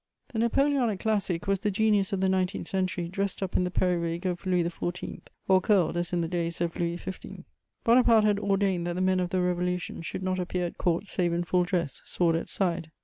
The Napoleonic classic was the genius of the nineteenth century dressed up in the periwig of Louis XIV., or curled as in the days of Louis XV. Bonaparte had ordained that the men of the Revolution should not appear at Court save in full dress, sword at side.